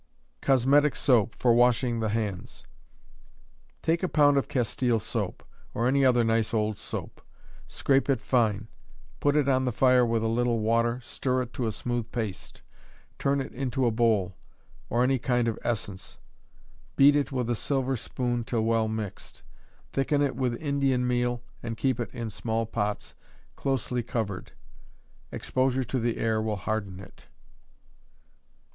Cosmetic Soap, for Washing the Hands. Take a pound of castile soap, or any other nice old soap; scrape it fine; put it on the fire with a little water, stir it to a smooth paste; turn it into a bowl; or any kind of essence; beat it with a silver spoon till well mixed; thicken it with Indian meal, and keep it in small pots, closely covered; exposure to the air will harden it.